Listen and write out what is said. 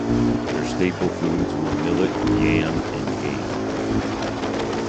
Their staple foods were millet, yam, and game.